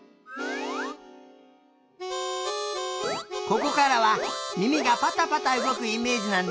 ここからはみみがパタパタうごくイメージなんだ。